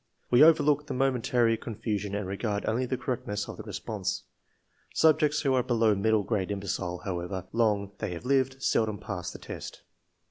We overlook the momentary confu sion and regard only the correctness of the response. Subjects who are below middle grade imbecile, however long they have lived, seldom pass the test.